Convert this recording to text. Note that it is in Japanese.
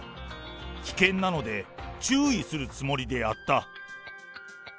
危険なので、注意するつもりでやった。